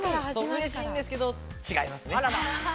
嬉しいんですけれど、違いますね。